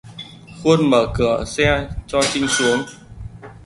Khuôn Mở cửa xe cho trinh xuống